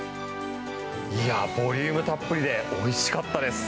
いやあ、ボリュームたっぷりでおいしかったです。